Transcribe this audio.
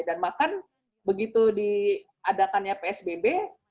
dan bahkan begitu diadakannya psbb